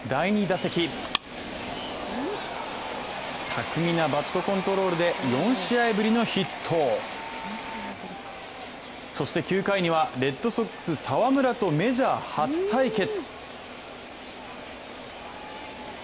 巧みなバットコントロールで４試合ぶりのヒットそして９回にはレッドソックス・澤村とメジャー初対決。